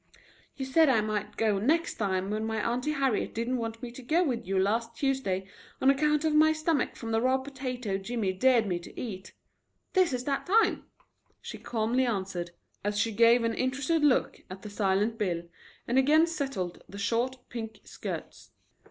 "You said I might go 'next time' when my Auntie Harriet didn't want me to go with you last Tuesday on account of my stomach from the raw potato Jimmy dared me to eat. This is that time," she calmly answered, as she gave an interested look at the silent Bill and again settled the short, pink skirts.